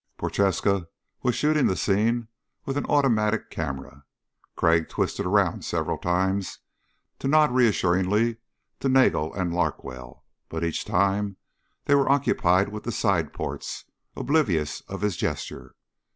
Prochaska was shooting the scene with the automatic camera. Crag twisted around several times to nod reassuringly to Nagel and Larkwell but each time they were occupied with the side ports, oblivious of his gesture.